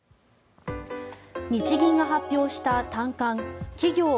日銀が発表した短観企業